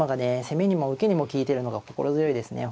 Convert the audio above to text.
攻めにも受けにも利いてるのが心強いですね